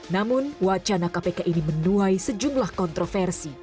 namun wacana kpk ini menuai sejumlah kontroversi